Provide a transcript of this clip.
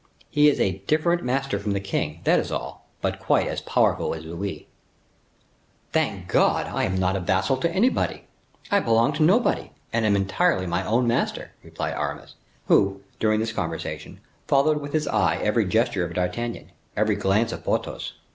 He is a different master from the king, that is all; but quite as powerful as Louis." "Thank God! I am not vassal to anybody; I belong to nobody, and am entirely my own master," replied Aramis, who, during this conversation, followed with his eye every gesture of D'Artagnan, every glance of Porthos.